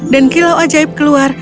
dan kilau ajaib keluar